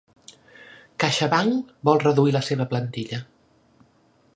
CaixaBank vol reduir la seva plantilla